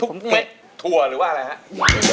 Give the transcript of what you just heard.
ทุกเม็ดถั่วหรือว่าอะไรฮะ